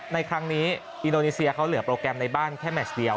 ในครั้งนี้อินโดนีเซียเขาเหลือโปรแกรมในบ้านแค่แมชเดียว